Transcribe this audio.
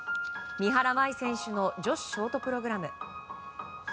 三原舞依選手の女子ショートプログラム。